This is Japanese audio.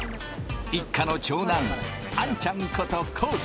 一家の長男あんちゃんこと昴生。